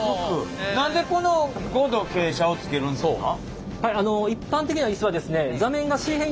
何でこの５度傾斜をつけるんですか？